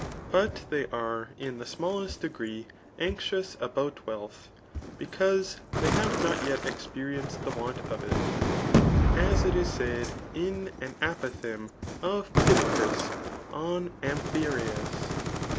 But they are in the smallest degree anxious about wealth, because they have not yet experienced the want of it, as it is said in an apc^hthcgm of Pittacus upon Amphiarus.